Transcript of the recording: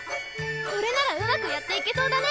これならうまくやっていけそうだね！